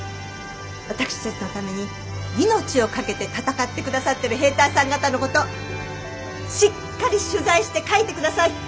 私たちのために命を懸けて戦って下さってる兵隊さん方の事しっかり取材して書いて下さい！